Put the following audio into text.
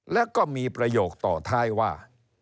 แล้วก็มีประโยคต่อท้ายว่า